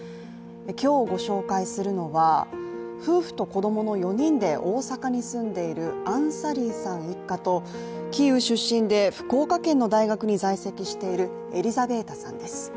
今日ご紹介するのは夫婦と子供の４人で大阪に住んでいるアンサリーさん一家とキーウ出身で福岡県の大学に在籍しているエリザベータさんです。